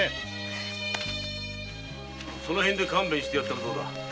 そのへんで勘弁してやったらどうだ？